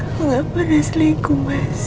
aku gak pernah selingkuh mas